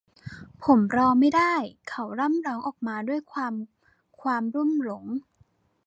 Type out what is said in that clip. ผมรอไม่ได้ เขาร่ำร้องออกมาด้วยความความลุ่มหลง